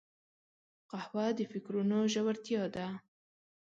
قهوه د فکرونو ژورتیا ده